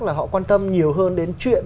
là họ quan tâm nhiều hơn đến chuyện